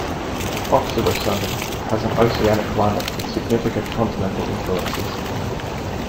Oxelösund has an oceanic climate with significant continental influences.